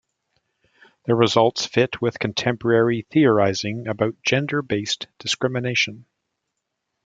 The results fit with contemporary theorizing about gender-based discrimination.